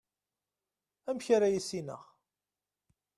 amek ara yissineɣ